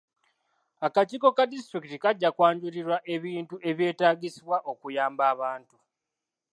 Akakiiko ka disitulikiti kajja kwanjulirwa ebintu ebyetaagisibwa okuyamba abantu.